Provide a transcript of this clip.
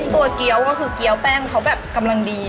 เกี้ยวก็คือเกี้ยวแป้งเขาแบบกำลังดี